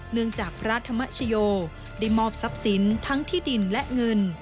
จากพระธรรมชโยได้มอบทรัพย์สินทั้งที่ดินและเงิน